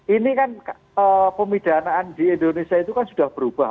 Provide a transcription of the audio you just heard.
ini kan pemidanaan di indonesia itu kan sudah berubah